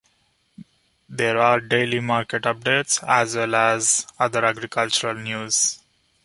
There are daily market updates, as well as other agricultural news.